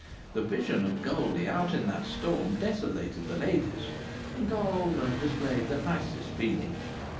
The vision of Goldie out in that storm desolated the ladies, and Carl Ullman displayed the nicest feeling.